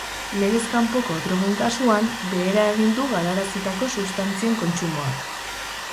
Legez kanpoko drogen kasuan, behera egin du galarazitako substantzien kontsumoak.